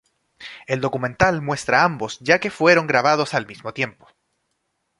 El documental muestra ambos ya que fueron grabados al mismo tiempo.